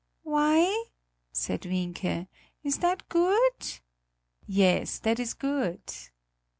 "Why?" said Wienke, "is that good?" "Yes, that is good."